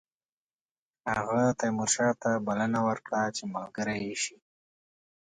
هغه تیمورشاه ته بلنه ورکړه چې ملګری شي.